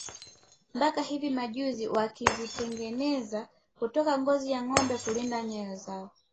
Mpaka hivi majuzi wakizitengeneza kutoka ngozi ya ngombe kulinda nyayo zao